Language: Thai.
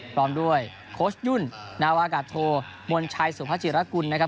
พร้อมด้วยโค้ชยุ่นนาวากาโทมนชัยสุภาจิรกุลนะครับ